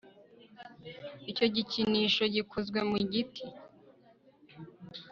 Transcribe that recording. icyo gikinisho gikozwe mu giti. (gphemsley